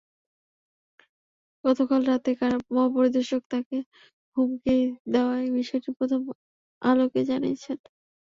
গতকাল রাতে কারা মহাপরিদর্শক তাঁকে হুমকি দেওয়ার বিষয়টি প্রথম আলোকে জানিয়েছেন।